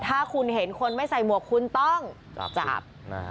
ถ้าคุณเห็นคนไม่ใส่หมวกคุณต้องจับ